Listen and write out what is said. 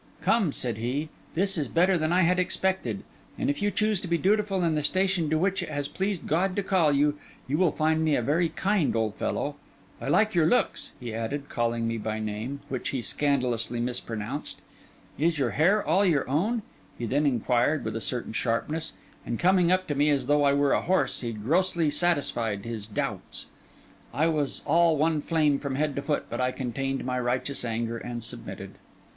'Come,' said he, 'this is better than I had expected; and if you choose to be dutiful in the station to which it has pleased God to call you, you will find me a very kind old fellow. I like your looks,' he added, calling me by my name, which he scandalously mispronounced. 'Is your hair all your own?' he then inquired with a certain sharpness, and coming up to me, as though I were a horse, he grossly satisfied his doubts. I was all one flame from head to foot, but I contained my righteous anger and submitted.